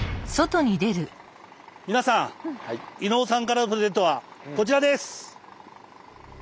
皆さん伊野尾さんからのプレゼントはこちらです！